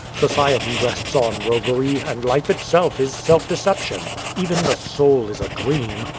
Society rests on roguery, and life itself is self deception. Even the soul is a dream.